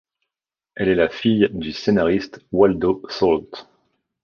Elle est la fille du scénariste Waldo Salt.